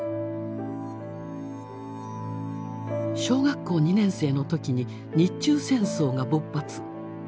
小学校２年生の時に日中戦争が勃発。